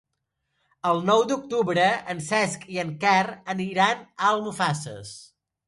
El nou d'octubre en Cesc i en Quer iran a Almussafes.